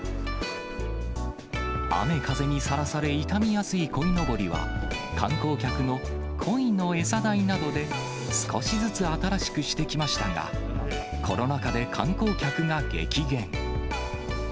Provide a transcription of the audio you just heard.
雨風にさらされ傷みやすいこいのぼりは、観光客のこいのえさ代などで、少しずつ新しくしてきましたが、コロナ禍で観光客が激減。